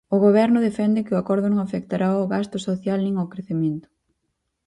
O Goberno defende que o acordo non afectará o gasto social nin o crecemento.